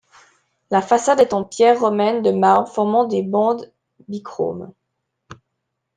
La façade est en pierres romaines de marbre formant des bandes bichrome.